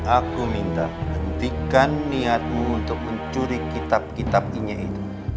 aku minta hentikan niatmu untuk mencuri kitab kitab inya itu